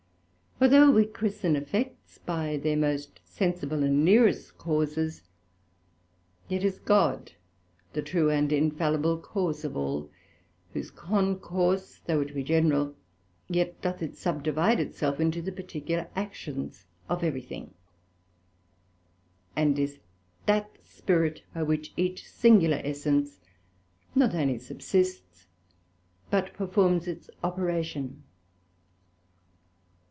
For though we christen effects by their most sensible and nearest Causes, yet is God the true and infallible Cause of all, whose concourse though it be general, yet doth it subdivide it self into the particular Actions of every thing, and is that Spirit, by which each singular Essence not only subsists, but performs its operation.